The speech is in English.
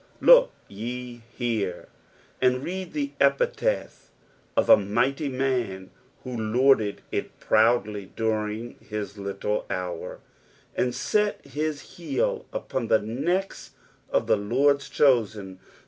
Look ye here, and read the epitaph of a mighty man, who lorded it proudly during his little hour, and set his heel uymn the necks of the Lord's chosen.